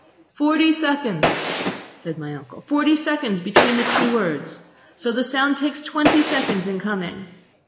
.... "Forty seconds," said my uncle. "Forty seconds between the two words; so the sound takes twenty seconds in coming.